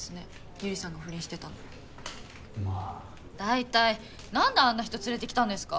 百合さんが不倫してたのまあ大体何であんな人連れて来たんですか！